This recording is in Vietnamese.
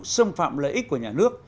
xâm phạm lợi ích của nhà nước